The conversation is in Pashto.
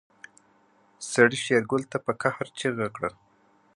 سړي شېرګل ته په قهر چيغه کړه.